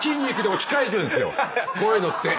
こういうのって！